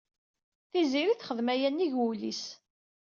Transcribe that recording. Tiziri texdem aya nnig wul-is.